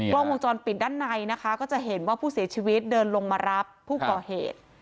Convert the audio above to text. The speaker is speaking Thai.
กล้องวงจรปิดด้านในนะคะก็จะเห็นว่าผู้เสียชีวิตเดินลงมารับผู้ก่อเหตุ